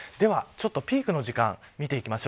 ピークの時間を見ていきます。